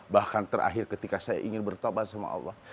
bahkan terakhir ketika saya ingin bertobat sama allah